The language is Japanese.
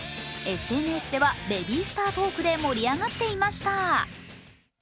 ＳＮＳではベビースタートークで盛り上がっていました。